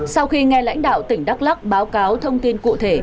sau khi nghe lãnh đạo tỉnh đắk lắc báo cáo thông tin cụ thể